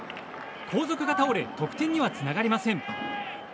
後続が倒れ得点にはつながりません。